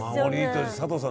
佐藤さん